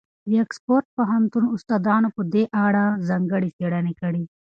د اکسفورډ پوهنتون استادانو په دې اړه ځانګړې څېړنې کړي.